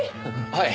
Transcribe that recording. はい。